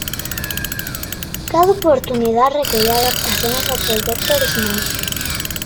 Cada oportunidad requería adaptaciones al proyecto original.